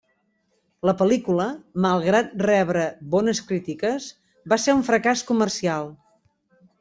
La pel·lícula, malgrat rebre bones crítiques, va ser un fracàs comercial.